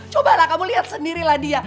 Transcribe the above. cobalah kamu lihat sendirilah dia